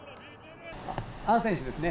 アン選手ですね？